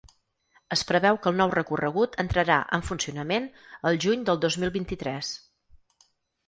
Es preveu que el nou recorregut entrarà en funcionament el juny del dos mil vint-i-tres.